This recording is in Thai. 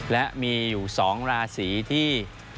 และมีอยู่๒ราศีที่